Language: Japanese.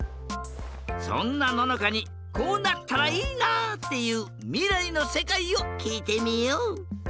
そんなののかにこうなったらいいなっていうみらいのせかいをきいてみよう！